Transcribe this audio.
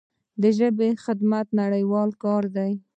د ژبې خدمت نړیوال کار دی.